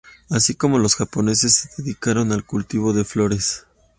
Así como los japoneses se dedicaron al cultivo de flores.